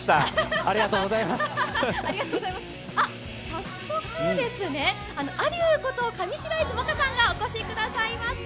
あっ、早速ですね、ａｄｉｅｕこと上白石萌歌さんがお越しくださいました。